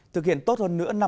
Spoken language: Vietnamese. thực hiện tốt hơn nữa